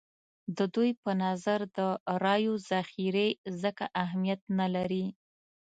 د دوی په نظر د رایو ذخیرې ځکه اهمیت نه لري.